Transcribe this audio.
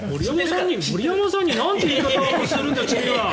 森山さんになんて言い方をするんだ君は！